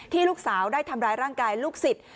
ลูกสาวได้ทำร้ายร่างกายลูกศิษย์